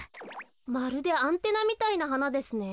まるでアンテナみたいなはなですね。